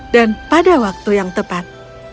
dan pada waktu yang tepat